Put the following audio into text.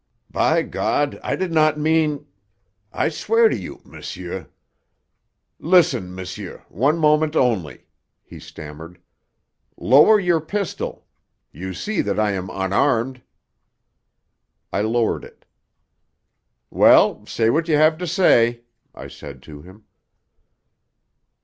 "By God, I did not mean I swear to you, monsieur listen, monsieur, one moment only," he stammered. "Lower your pistol. You see that I am unarmed!" I lowered it. "Well, say what you have to say," I said to him.